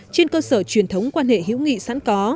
trên cơ sở truyền thống quan hệ hữu nghị sẵn có